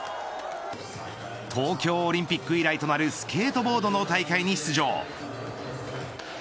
東京オリンピック以来となるスケートボードの大会に出場。